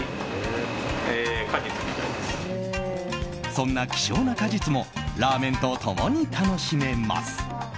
そんな希少な果実もラーメンと共に楽しめます。